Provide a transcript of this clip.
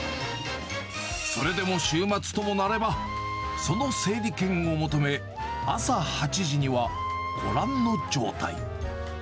それでも週末ともなれば、その整理券を求め、朝８時にはご覧の状態。